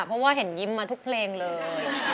เพราะว่าเห็นยิ้มมาทุกเพลงเลย